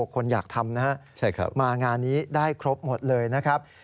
คนอยากทำนะครับมางานนี้ได้ครบหมดเลยนะครับ